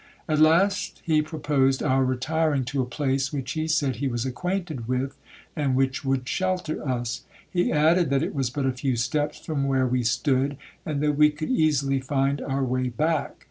At last he proposed our retiring to a place which he said he was acquainted with, and which would shelter us. He added, that it was but a few steps from where we stood, and that we could easily find our way back.